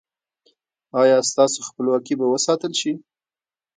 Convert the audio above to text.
ایا ستاسو خپلواکي به وساتل شي؟